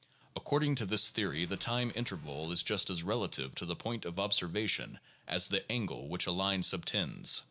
According to this theory the time interval is just as relative to the point of observation as the angle which a line subtends.